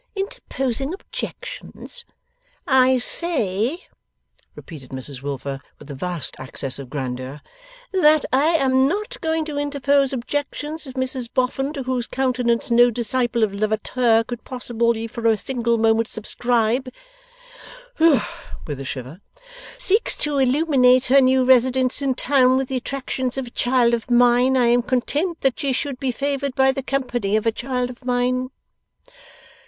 Interposing objections!' 'I say,' repeated Mrs Wilfer, with a vast access of grandeur, 'that I am NOT going to interpose objections. If Mrs Boffin (to whose countenance no disciple of Lavater could possibly for a single moment subscribe),' with a shiver, 'seeks to illuminate her new residence in town with the attractions of a child of mine, I am content that she should be favoured by the company of a child of mine.